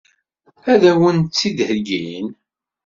Ad wen-tt-id-heggin?